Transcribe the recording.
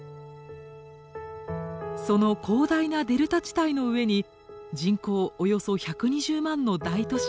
その広大なデルタ地帯の上に人口およそ１２０万の大都市